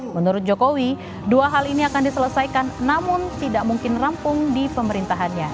menurut jokowi dua hal ini akan diselesaikan namun tidak mungkin rampung di pemerintahannya